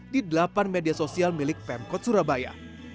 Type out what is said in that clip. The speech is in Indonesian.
di delapan media sosial milik pemkot surabaya